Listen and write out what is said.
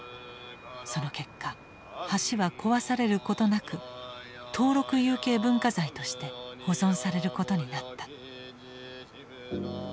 その結果橋は壊されることなく登録有形文化財として保存されることになった。